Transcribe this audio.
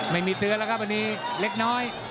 ไม่มีเปรื้อนเหรอครับอันนี้เล็กน้อย